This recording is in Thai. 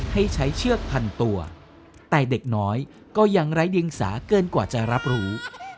ให้ใช้เชือกพันตัวแต่เด็กน้อยก็ยังไร้เดียงสาเกินกว่าจะรับรู้